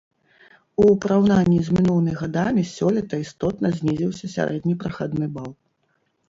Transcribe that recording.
У параўнанні з мінулымі гадамі сёлета істотна знізіўся сярэдні прахадны бал.